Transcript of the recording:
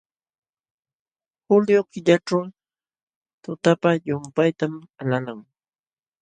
Julio killaćhu tutapa llumpaytam alalan.